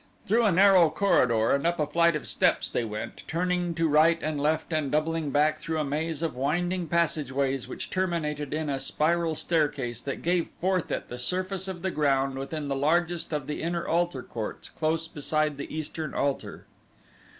Through a narrow corridor and up a flight of steps they went, turning to right and left and doubling back through a maze of winding passageways which terminated in a spiral staircase that gave forth at the surface of the ground within the largest of the inner altar courts close beside the eastern altar.